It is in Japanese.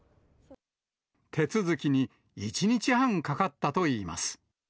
手続きに１日半かかったといいます。